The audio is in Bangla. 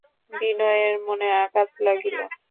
বিনয়ের মনে আঘাত লাগিল।